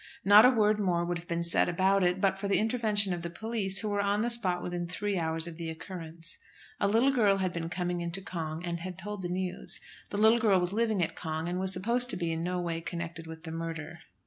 Not a word more would have been said about it, but for the intervention of the police, who were on the spot within three hours of the occurrence. A little girl had been coming into Cong, and had told the news. The little girl was living at Cong, and was supposed to be in no way connected with the murder.